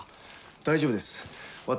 大丈夫です私